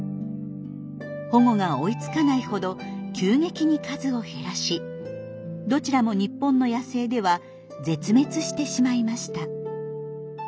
保護が追いつかないほど急激に数を減らしどちらも日本の野生では絶滅してしまいました。